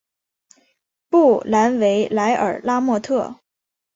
布兰维莱尔拉莫特。